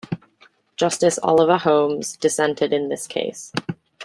Justice Oliver Holmes dissented in this case.